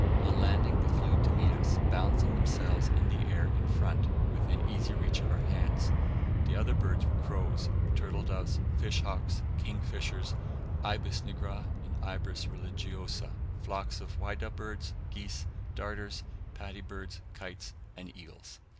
On landing, they flew to meet us, balancing themselves in the air in front, within easy reach of our hands. The other birds were crows, turtle doves, fish hawks, kingfishers, ibis nigra and ibis religiosa, flocks of whydah birds, geese, darters, paddy birds, kites, and eagles.